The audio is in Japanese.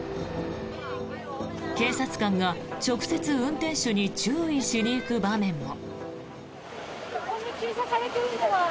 警察官が直接運転手に注意しに行く場面も。